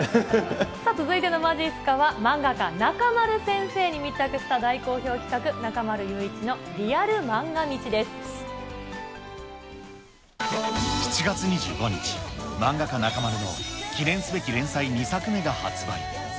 さあ、続いてのまじっすかは、漫画家中丸先生に密着した大好評企画、中丸雄一のリアルまんが道７月２５日、漫画家、中丸の記念すべき連載２作目が発売。